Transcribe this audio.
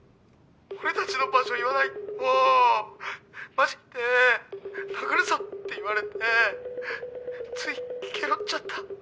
俺達の場所を言わないとマジで殴るぞって言われてついゲロッちゃった。